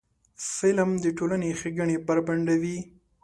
فلم د ټولنې ښېګڼې بربنډوي